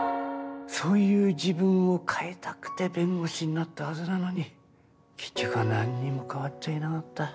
そういう自分を変えたくて弁護士になったはずなのに結局は何にも変わっちゃいなかった。